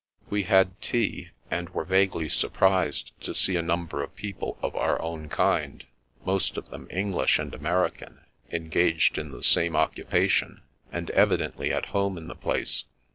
We had tea, and were vaguely surprised to see a number of people of our own kind, most of them English and American, engaged in the same occu pation, and evidently at home in the place.